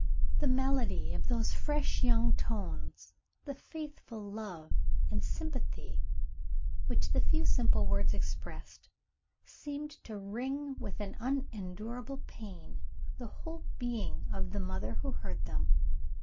The melody of those fresh young tones, the faithful love and sympathy which the few simple words expressed, seemed to wring with an unendurable pain the whole being of the mother who heard them.